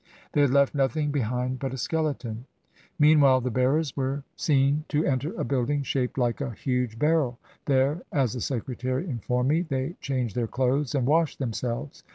They had left nothing behind but a skeleton. Meanwhile the bearers were seen to enter a building shaped Hke a huge barrel. There, as the Secretary informed me, they changed their clothes and washed themselves.